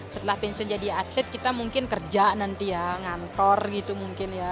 setelah pensiun jadi atlet kita mungkin kerja nanti ya ngantor gitu mungkin ya